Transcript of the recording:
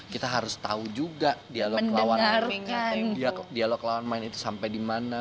kita harus tahu juga dialog lawan main itu sampai dimana